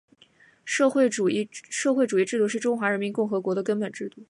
社会主义制度是中华人民共和国的根本制度